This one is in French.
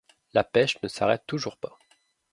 La pêche ne s’arrête toujours pas.